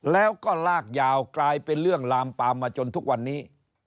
แล้วก็ลากยาวกลายเป็นเรื่องลามปามมาจนทุกวันนี้